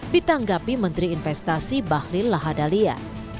ditanggapi menteri investasi bahlil lahadalia